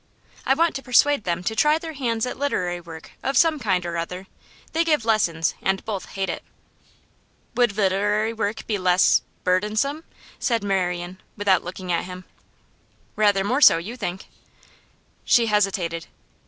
'I want to persuade them to try their hands at literary work of some kind or other. They give lessons, and both hate it.' 'Would literary work be less burdensome?' said Marian, without looking at him. 'Rather more so, you think?' She hesitated.